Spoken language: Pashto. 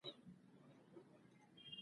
اوبه د ژوند لپاره حیاتي ارزښت لري.